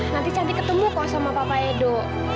nanti cantik ketemu kok sama papa edo